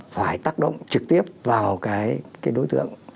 phải tác động trực tiếp vào cái đối tượng